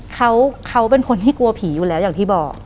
เขาเป็นคนที่กลัวผีอยู่แล้วอย่างที่บอก